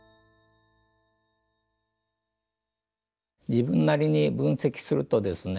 自分なりに分析するとですね